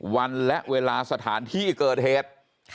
วันและเวลาสถานที่เกิดเหตุ